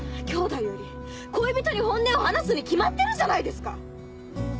兄妹より恋人に本音を話すに決まってるじゃないですか！